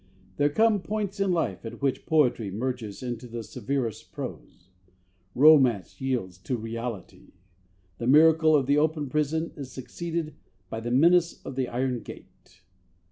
There come points in life at which poetry merges into the severest prose; romance yields to reality; the miracle of the open prison is succeeded by the menace of the iron gate.